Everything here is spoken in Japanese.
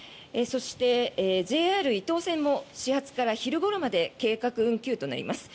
そして、ＪＲ伊東線も始発から昼ごろまで計画運休となります。